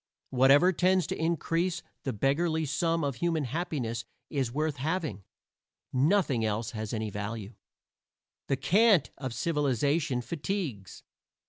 Whatever tends to increase the beggarly sum of human happiness is worth having; nothing else has any value. The cant of civilization fatigues.